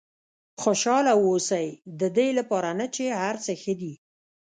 خوشاله واوسئ ددې لپاره نه چې هر څه ښه دي.